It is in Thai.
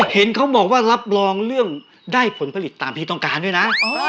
เห็นเขาบอกว่ารับรองเรื่องได้ผลผลิตตามที่ต้องการด้วยนะ